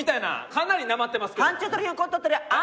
かなりなまってますけど。